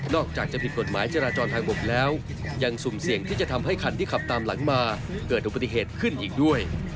นอกจากจะผิดกฎหมายจราจรทางบกแล้ว